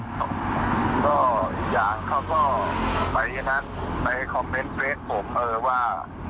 ก็อีกอย่างเขาก็ไปนัดไปคอมเมนต์เฟสผมเออว่า